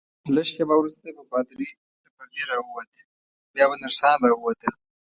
لږ شیبه وروسته به پادري له پردې راووت، بیا به نرسان راووتل.